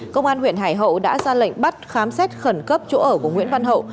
công an huyện hải hậu đã ra lệnh bắt khám xét khẩn cấp chỗ ở của nguyễn văn hậu